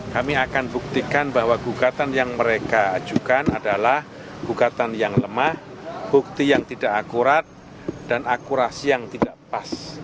kami akan buktikan bahwa gugatan yang mereka ajukan adalah gugatan yang lemah bukti yang tidak akurat dan akurasi yang tidak pas